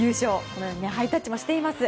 このようにハイタッチもしています。